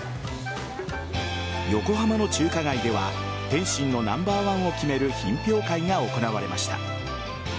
横浜の中華街では点心のナンバーワンを決める品評会が行われました。